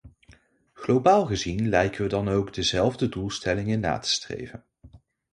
Globaal gezien lijken we dan ook dezelfde doelstellingen na te streven.